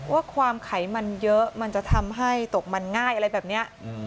ว่าความไขมันเยอะมันจะทำให้ตกมันง่ายอะไรแบบนี้